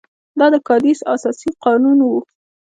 دا د کادیس اساسي قانون وو.